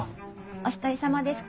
お一人様ですか？